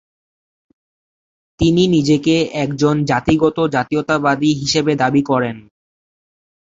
তিনি নিজেকে একজন জাতিগত জাতীয়তাবাদী হিসেবে দাবি করেন।